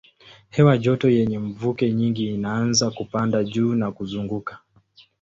Hewa joto yenye mvuke nyingi inaanza kupanda juu na kuzunguka.